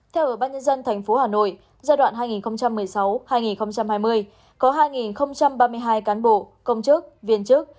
theo ubnd tp hà nội giai đoạn hai nghìn một mươi sáu hai nghìn hai mươi có hai ba mươi hai cán bộ công chức viên chức